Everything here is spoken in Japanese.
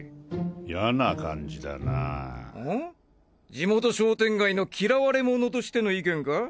地元商店街の嫌われ者としての意見か？